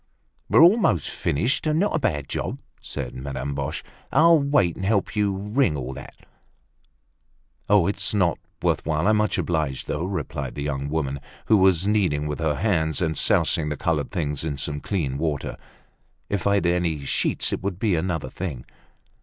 "We're almost finished, and not a bad job," said Madame Boche. "I'll wait and help you wring all that." "Oh! it's not worth while; I'm much obliged though," replied the young woman, who was kneading with her hands and sousing the colored things in some clean water. "If I'd any sheets, it would be another thing."